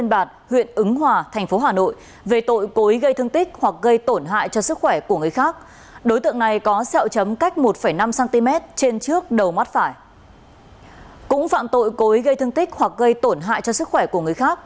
đối tượng có ý gây thương tích hoặc gây tổn hại cho sức khỏe của người khác